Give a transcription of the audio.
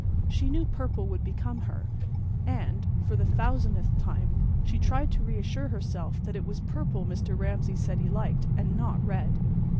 She knew purple would become her, and—for the thousandth time she tried to assure herself that it was purple Mr. Ramsay said he liked and not red.